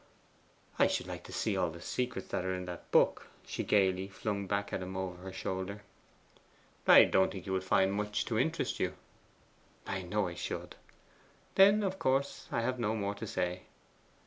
'I should like to see all the secrets that are in that book,' she gaily flung back to him over her shoulder. 'I don't think you would find much to interest you.' 'I know I should.' 'Then of course I have no more to say.